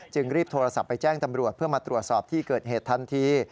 รีบโทรศัพท์ไปแจ้งตำรวจเพื่อมาตรวจสอบที่เกิดเหตุทันที